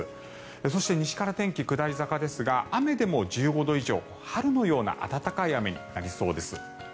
そして西から天気は下り坂ですが雨でも１５度以上春のような暖かい雨になりそうです。